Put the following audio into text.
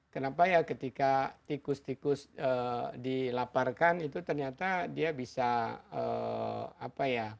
kenapa ya ketika tikus tikus dilaparkan itu ternyata dia bisa apa ya